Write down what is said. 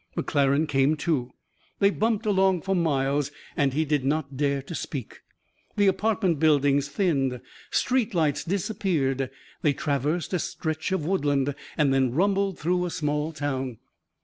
McClaren came to. They bumped along for miles and he did not dare to speak. The apartment buildings thinned. Street lights disappeared. They traversed a stretch of woodland and then rumbled through a small town.